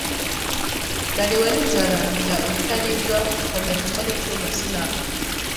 Nariwe n’inzara, ndya ibitaribwa, nkomeretwsa n’icyuma sinapfa